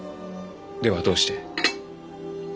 ではどうして？